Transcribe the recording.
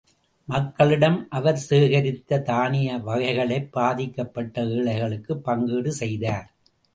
மக்களிடம் அவர் சேகரித்த தானிய வகைகளைப் பாதிக்கப்பட்ட ஏழைகளுக்குப் பங்கீடு செய்தார்.